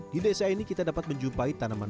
di desa ini kita dapat menjumpai tanaman